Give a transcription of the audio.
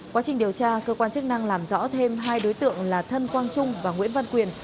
quá trình điều tra cơ quan chức năng làm rõ thêm hai đối tượng là thân quang trung và nguyễn văn quyền